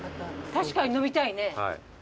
確かに飲みたいね。